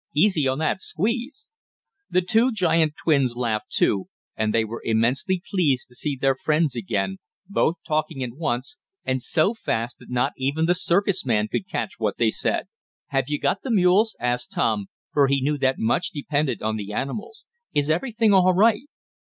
Easy on that squeeze!" The two giant twins laughed too, and they were immensely pleased to see their friends again, both talking at once and so fast that not even the circus man could catch what they said. "Have you got the mules?" asked Tom, for he knew that much depended on the animals. "Is everything all right?"